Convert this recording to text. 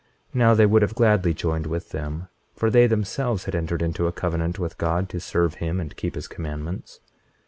Now they would have gladly joined with them, for they themselves had entered into a covenant with God to serve him and keep his commandments.